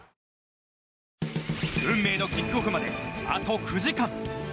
運命のキックオフまであと９時間。